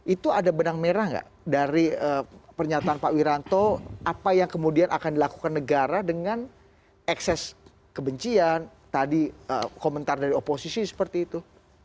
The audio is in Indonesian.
itu ada benang merah nggak dari pernyataan pak wiranto apa yang kemudian akan dilakukan negara dengan ekses kebencian tadi komentar dari oposisi seperti itu